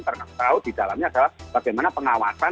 karena kita tahu di dalamnya adalah bagaimana pengawasan